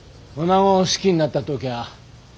おなごを好きになった時ゃあ